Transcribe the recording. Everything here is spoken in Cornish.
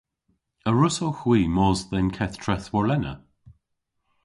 A wrussowgh hwi mos dhe'n keth treth warlena?